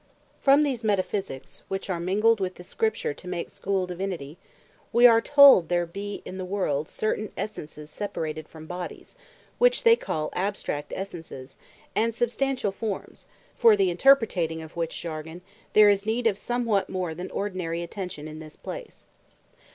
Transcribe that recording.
Errors Concerning Abstract Essences From these Metaphysiques, which are mingled with the Scripture to make Schoole Divinity, wee are told, there be in the world certaine Essences separated from Bodies, which they call Abstract Essences, and Substantiall Formes: For the Interpreting of which Jargon, there is need of somewhat more than ordinary attention in this place.